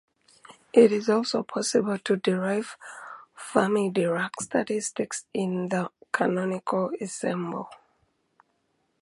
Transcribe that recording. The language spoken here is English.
It is also possible to derive Fermi-Dirac statistics in the canonical ensemble.